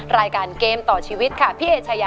รายการเกมต่อชีวิตค่ะ